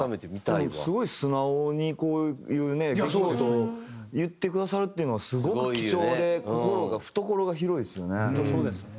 すごい素直にこういう出来事を言ってくださるっていうのはすごく貴重で心が懐が広いですよね。